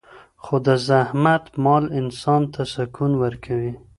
خو د زحمت مال انسان ته سکون ورکوي.